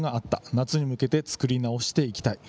夏に向けて作り直していきたい。